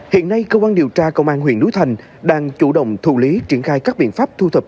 hiện nay cơ quan điều tra công an huyện núi thành đang chủ động thù lý triển khai các biện pháp thu thập